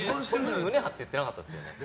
胸張って言ってなかったですよ。